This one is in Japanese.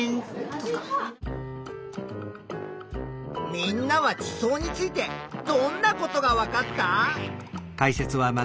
みんなは地層についてどんなことがわかった？